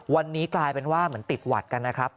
วันนี้กลายเป็นว่าเหมือนติดหวัดกันนะครับ